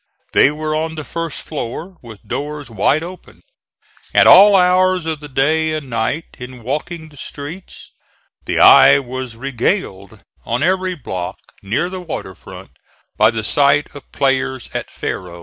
They were on the first floor, with doors wide open. At all hours of the day and night in walking the streets, the eye was regaled, on every block near the water front, by the sight of players at faro.